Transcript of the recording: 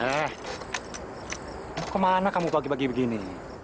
eh mau kemana kamu pagi pagi begini